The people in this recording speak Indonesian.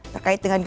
terkait dengan gempa